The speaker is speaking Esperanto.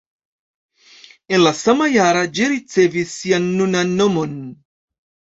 En la sama jara ĝi ricevis sian nunan nomon.